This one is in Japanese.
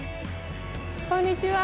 こんにちは。